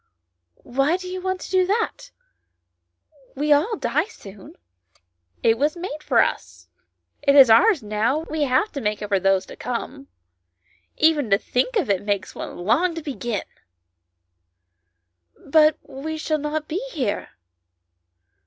" Why do you want to do that ? We all die soon." " It was made for us, it is ours now, we have to make it for those to come. Even to think of it makes one long to begin." " But we shall not be here."